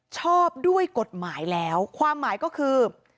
ชอบด้วยกฎหมายแล้วความหมายก็คือ